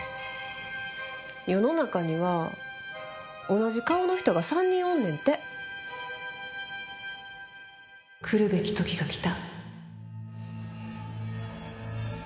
世の中には同じ顔の人が３人おんねんてそしてついに来るべき時が来た！